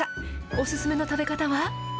お勧めの食べ方は？